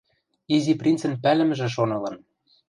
— Изи принцӹн пӓлӹмӹжӹ шон ылын.